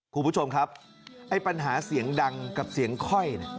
คุณผู้ชมครับไอ้ปัญหาเสียงดังกับเสียงค่อย